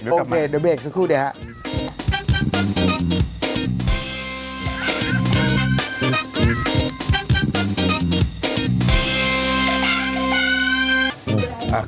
อ๋อปิดเบรกโอเคเดี๋ยวเบรกสักครู่ดีครับ